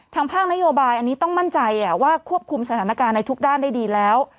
ภาคนโยบายอันนี้ต้องมั่นใจว่าควบคุมสถานการณ์ในทุกด้านได้ดีแล้ว